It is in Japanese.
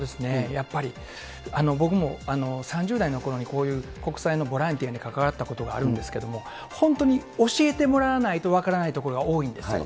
やっぱり、僕も３０代のころにこういう国際のボランティアに関わったことがあるんですけれども、本当に教えてもらわないと分からないことが多いんですよ。